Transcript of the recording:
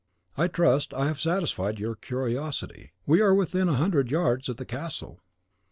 I trust I have satisfied your curiosity. We are within a hundred yards of the castle."